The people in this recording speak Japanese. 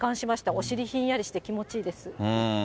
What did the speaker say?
お尻ひんやりして気持ちいいです。